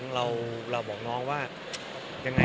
งานโน้นนี่นั่นเหรอ